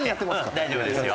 うん大丈夫ですよ。